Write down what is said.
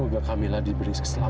aku mau kita berhenti jadi sabar